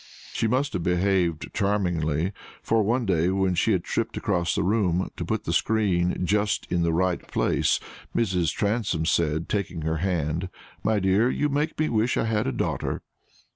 She must have behaved charmingly; for one day when she had tripped across the room to put the screen just in the right place, Mrs. Transome said, taking her hand, "My dear, you make me wish I had a daughter!"